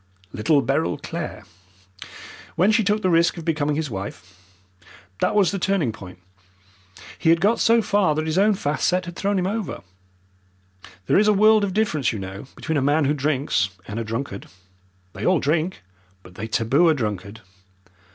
"Little Beryl Clare, when she took the risk of becoming his wife. That was the turning point. He had got so far that his own fast set had thrown him over. There is a world of difference, you know, between a man who drinks and a drunkard. They all drink, but they taboo a drunkard.